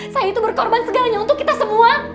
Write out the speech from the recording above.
saya itu berkorban segalanya untuk kita semua